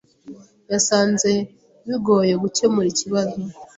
Yasanze bigoye gukemura ikibazo.